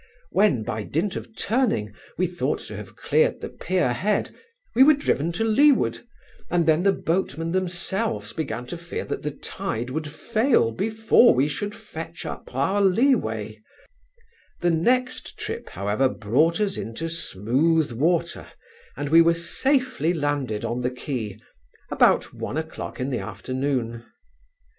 When, by dint of turning, we thought to have cleared the pier head, we were driven to leeward, and then the boatmen themselves began to fear that the tide would fail before we should fetch up our lee way: the next trip, however, brought us into smooth water, and we were safely landed on the quay, about one o'clock in the afternoon.